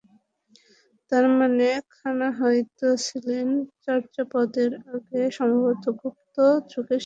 তার মানে, খনা হয়তো ছিলেন চর্যাপদেরও আগে, সম্ভবত গুপ্ত যুগের শেষ ভাগে।